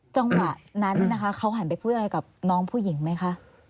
จังหวะนั้นนะคะเขาหันไปพูดอะไรกับน้องผู้หญิงไหมคะ